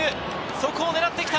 そこを狙ってきた！